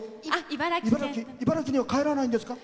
茨城には帰らないんですか？